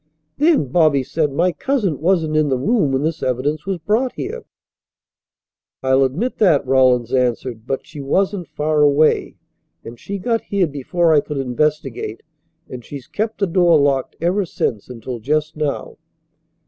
"Then," Bobby said, "my cousin wasn't in the room when this evidence was brought here." "I'll admit that," Rawlins answered, "but she wasn't far away, and she got here before I could investigate, and she's kept the door locked ever since until just now."